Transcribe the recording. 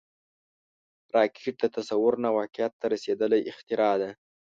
راکټ د تصور نه واقعیت ته رسیدلی اختراع ده